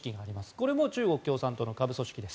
これも中国共産党の下部組織です。